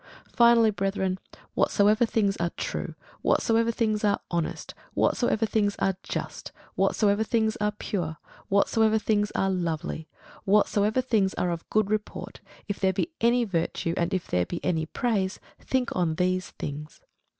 Finally, brethren, whatsoever things are true, whatsoever things are honest, whatsoever things are just, whatsoever things are pure, whatsoever things are lovely, whatsoever things are of good report; if there be any virtue, and if there be any praise, think on these things.